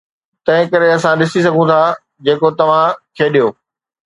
تنهنڪري اسان ڏسي سگهون ٿا جيڪو توهان کيڏيو